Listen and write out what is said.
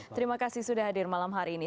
terima kasih sudah hadir malam hari ini